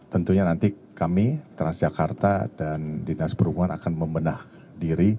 tentunya nanti kami transjakarta dan dinas perhubungan akan membenah diri